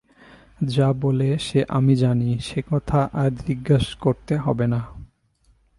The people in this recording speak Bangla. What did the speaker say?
যা বলে সে আমি জানি, সে কথা আর জিজ্ঞাসা করতে হবে না।